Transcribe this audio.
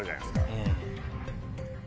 うん。